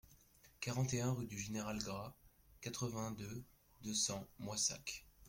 quarante et un rue du Général Gras, quatre-vingt-deux, deux cents, Moissac